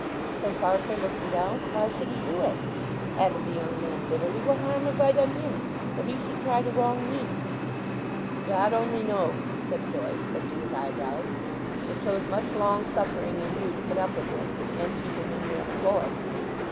said Farfrae, looking down. "Why should he do it?" added the young man bitterly; "what harm have I done him that he should try to wrong me?" "God only knows," said Joyce, lifting his eyebrows. "It shows much long suffering in you to put up with him, and keep him in your employ."